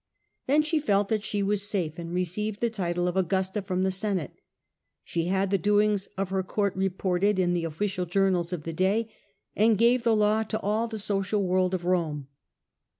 Then she felt that she was safe, and received the title of Augusta from the Senate. She had the doings of her court reported in the official journals of the day, and gave the law to all the social world of Rome.